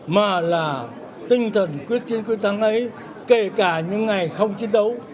mà là tinh thần quyết chiến quyết thắng ấy kể cả những ngày không chiến đấu